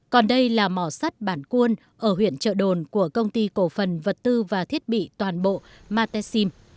còn đây là mỏ sắt bản cuôn ở huyện trợ đồn của công ty cổ phần vật tư và thiết bị toàn bộ matem